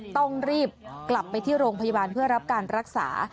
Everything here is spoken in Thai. ต้องรีบกลับไปที่โรงพยาบาลเพื่อรับการรักษา